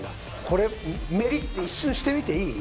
これメリッて一瞬してみていい？